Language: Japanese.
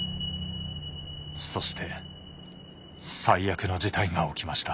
そして最悪の事態が起きました。